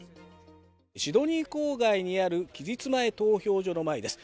シドニー郊外にある期日前投票所の前です。